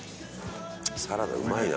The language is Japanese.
サラダうまいな。